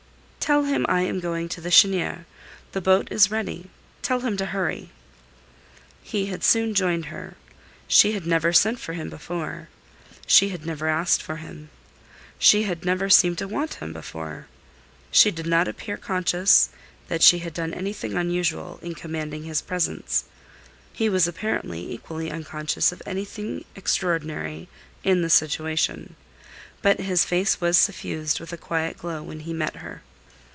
"Tell him I am going to the Chênière. The boat is ready; tell him to hurry." He had soon joined her. She had never sent for him before. She had never asked for him. She had never seemed to want him before. She did not appear conscious that she had done anything unusual in commanding his presence. He was apparently equally unconscious of anything extraordinary in the situation. But his face was suffused with a quiet glow when he met her.